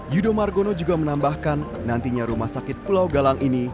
yudho margono juga menambahkan nantinya rumah sakit pulau galang ini